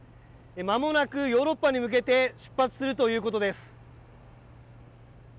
まもなくヨーロッパに向けて出発するということです。